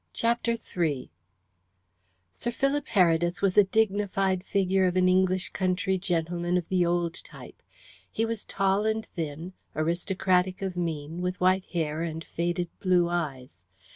CHAPTER III Sir Philip Heredith was a dignified figure of an English country gentleman of the old type. He was tall and thin, aristocratic of mien, with white hair and faded blue eyes.